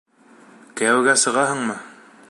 Кейәүгә сығаһыңмы?